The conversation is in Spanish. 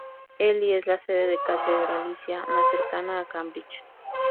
Ely es la sede catedralicia más cercana a Cambridge.